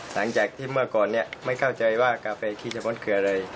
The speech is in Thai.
หลังจากที่เมื่อก่อนนี้ไม่เข้าใจว่ากาเฟ่คีชมสคืออะไร